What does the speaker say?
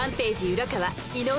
浦川井上